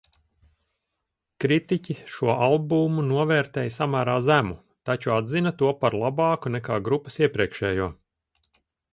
Kritiķi šo albumu novērtēja samērā zemu, taču atzina to par labāku nekā grupas iepriekšējo.